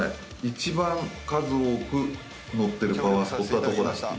一番数多く載ってるパワースポットはどこだっていう。